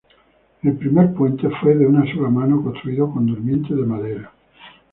El primer puente fue de una sola mano construido con durmientes de madera.